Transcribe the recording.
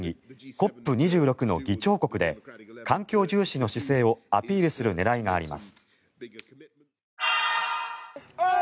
ＣＯＰ２６の議長国で環境重視の姿勢をアピールする狙いがあります。